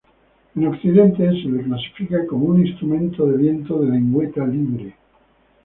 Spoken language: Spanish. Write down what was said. En occidente se le clasifica como un instrumento de viento de lengüeta libre.